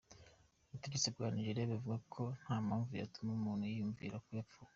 Ubutegetsi bwa Nigeria buvuga ko ata mpamvu yotuma umuntu yiyumvira ko bapfuye.